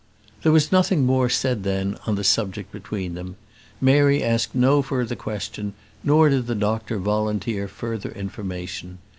There was nothing more said then on the subject between them. Mary asked no further question, nor did the doctor volunteer further information.